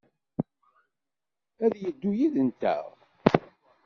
Ad d-yeddu yid-nteɣ?